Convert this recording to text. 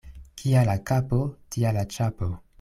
Kia la kapo, tia la ĉapo.